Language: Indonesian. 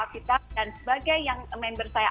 kita dan sebagai yang member saya